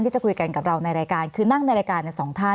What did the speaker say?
มีความรู้สึกว่ามีความรู้สึกว่ามีความรู้สึกว่า